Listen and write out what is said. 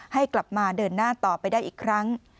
ให้กลับมาเดินหน้าต่อไปได้อีกครั้ง